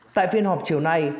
tại phiên họp chiều nay